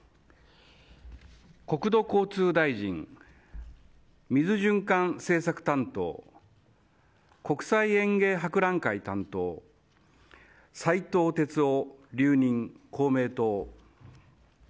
国土交通大臣、水循環政策担当国際園芸博覧会担当斉藤鉄夫、留任、公明党。